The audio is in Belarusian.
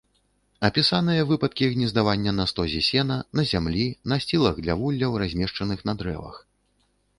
Апісаныя выпадкі гнездавання на стозе сена, на зямлі, насцілах для вулляў, размешчаных на дрэвах.